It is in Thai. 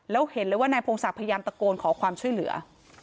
แล้วเห็นเลยว่านายพงศักดิ์พยายามตะโกนขอความช่วยเหลือ